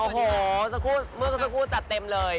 โอ้โหเมื่อสักครู่จัดเต็มเลย